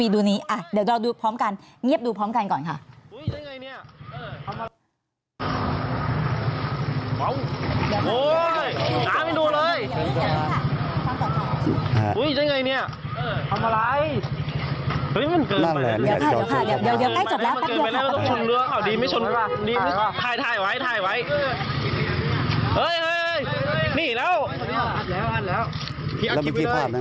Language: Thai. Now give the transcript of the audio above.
ดูนี้เดี๋ยวเราดูพร้อมกันเงียบดูพร้อมกันก่อนค่ะ